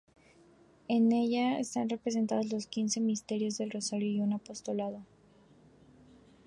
En ella están representados los quince misterios del rosario y un apostolado.